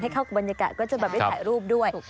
เข้ากับบรรยากาศก็จะแบบได้ถ่ายรูปด้วย